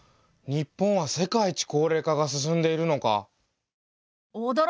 日本は世界一高齢化が進んでいるのかあ。